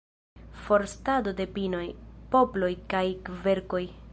Forstado de pinoj, poploj kaj kverkoj.